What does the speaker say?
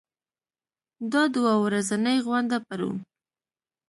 دا دوه ورځنۍ غونډه پرون